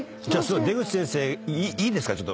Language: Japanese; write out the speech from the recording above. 出口先生いいですか？